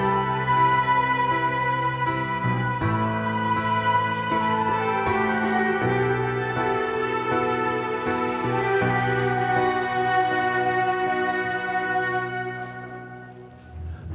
aku adalah anak p defect